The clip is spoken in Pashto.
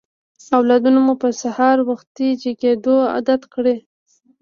اولادونه مو په سهار وختي جګېدو عادت کړئ.